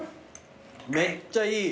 めっちゃいい！